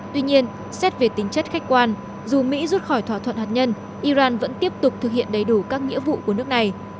tuy nhiên xét về tính chất khách quan dù mỹ rút khỏi thỏa thuận hạt nhân iran vẫn tiếp tục thực hiện đầy đủ các nghĩa vụ của nước này